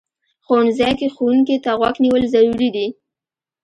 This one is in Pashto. ښوونځی کې ښوونکي ته غوږ نیول ضروري دي